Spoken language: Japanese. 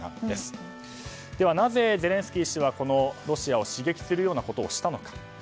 では、なぜゼレンスキー氏はこのロシアを刺激するようなことをしたのか。